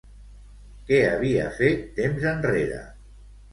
Què havia fet temps enrere?